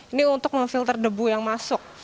ini untuk memfilter debu yang masuk